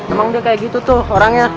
emang udah kayak gitu tuh orangnya